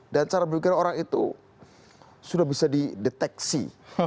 cara berpikir orang itu sudah bisa dideteksi